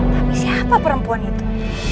tapi siapa perempuan itu